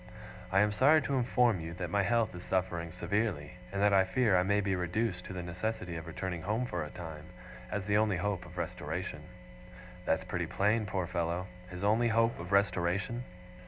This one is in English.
"I am sorry to inform you that my health is suffering severely, and that I fear I may be reduced to the necessity of returning home for a time, as the only hope of restoration." That's pretty plain, poor fellow! His only hope of restoration!